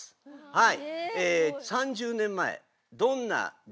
はい。